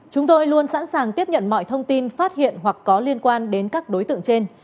chúng tôi luôn sẵn sàng tiếp nhận mọi thông tin phát hiện hoặc có liên quan đến các đối tượng trên